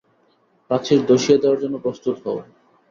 প্রাচীর ধসিয়ে দেওয়ার জন্য প্রস্তুত হও।